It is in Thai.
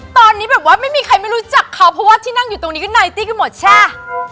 ตอนนี้แบบว่าไม่มีใครไม่รู้จักเขาเพราะว่าที่นั่งอยู่ตรงนี้ก็ไนตี้กันหมดใช่